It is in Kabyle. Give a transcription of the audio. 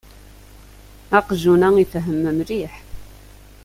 Aqjun-a ifehhem mliḥ.